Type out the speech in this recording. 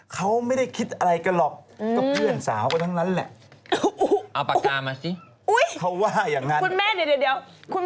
คุณแม่จะเขียนอะไรก็ได้หนูจะไม่พูดอะไรแล้ว